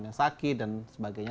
yang sakit dan sebagainya